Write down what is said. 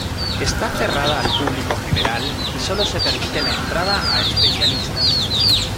Está cerrada al público general, y solo se permite la entrada a especialistas.